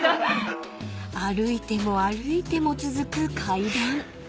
［歩いても歩いても続く階段］